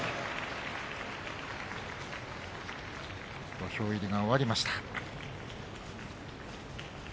土俵入りが終わりました。